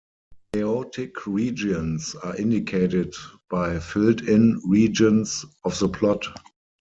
Chaotic regions are indicated by filled-in regions of the plot.